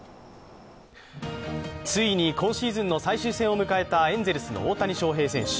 ついに今シーズンの最終戦を迎えたエンゼルスの大谷翔平選手。